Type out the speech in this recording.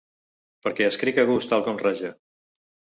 perquè escric a gust tal com raja.